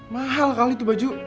mahal kali itu baju